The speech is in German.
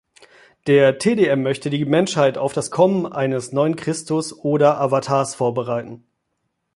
Der TdM möchte die Menschheit auf das Kommen eines neuen Christus oder Avatars vorbereiten.